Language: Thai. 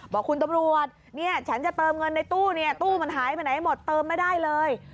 บอกคุณตำรวจฉันจะเติมเงินในตู้ตู้มันหายไปไหนให้หมดเติมไม่ได้เลย